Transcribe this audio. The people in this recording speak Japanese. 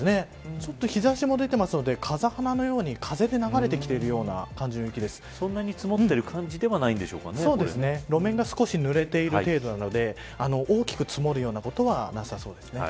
ちょっと日差しも出ているので風花のように風で流れているそんなに積もっている感じでは路面が少しぬれている程度なので、大きく積もるようなことはなさそうです。